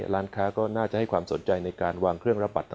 ร้านค้าก็น่าจะให้ความสนใจในการวางเครื่องรับบัตรต่าง